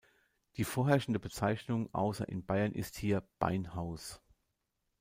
Die vorherrschende Bezeichnung außer in Bayern ist hier "Beinhaus".